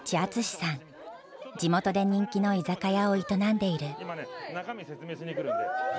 地元で人気の居酒屋を営んでいる。